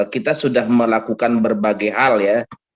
kita sudah melakukan berbagai hal ya